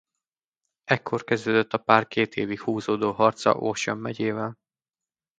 Ekkor kezdődött a pár két évig húzódó harca Ocean megyével.